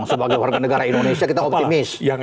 sebagai warga negara indonesia kita optimis